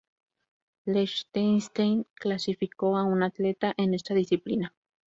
Liechtenstein clasificó a una atleta en esta disciplina.